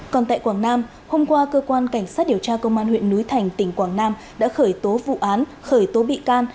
còn tại quảng nam hôm qua cơ quan cảnh sát điều tra công an huyện núi thành tỉnh quảng nam đã khởi tố vụ án khởi tố bị can